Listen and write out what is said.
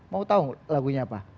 mau tau lagunya apa